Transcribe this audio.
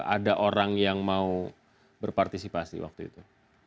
ada orang yang mau berpartisipasi waktu itu